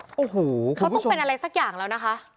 โอ้โหเขาต้องเป็นอะไรสักอย่างแล้วนะคะ